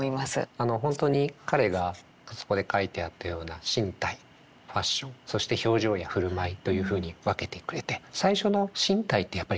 あの本当に彼がそこで書いてあったような身体ファッションそして表情やふるまいというふうに分けてくれて最初の身体ってやっぱりなかなか